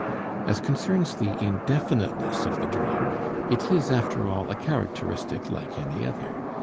As concerns the indefiniteness of the dream, it is after all a characteristic like any other.